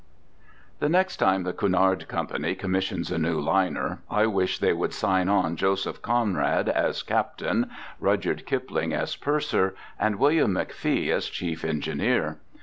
The next time the Cunard Company commissions a new liner I wish they would sign on Joseph Conrad as captain, Rudyard Kipling as purser, and William McFee as chief engineer.